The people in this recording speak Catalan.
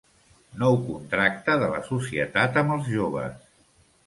Nou contracte de la societat amb els joves.